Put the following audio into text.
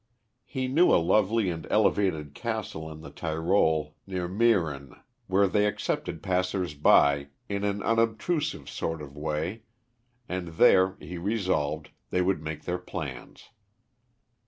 He knew a lovely and elevated castle in the Tyrol near Meran where they accepted passers by in an unobtrusive sort of way, and there, he resolved, they would make their plans.